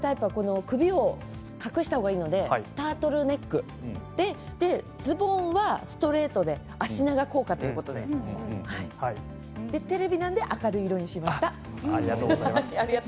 ナチュラルタイプは首を隠した方がいいのでタートルネックでズボンはストレートで脚長効果ということでテレビなので明るい色にしました。